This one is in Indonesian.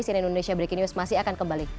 cnn indonesia breaking news masih akan kembali